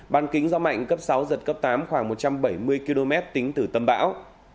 ban kính gió mạnh cấp sáu giật cấp tám khoảng một trăm bảy mươi km tính từ tâm bão